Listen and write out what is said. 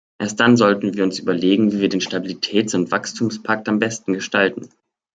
Erst dann sollten wir uns überlegen, wie wir den Stabilitäts- und Wachstumspakt am besten gestalten.